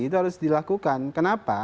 itu harus dilakukan kenapa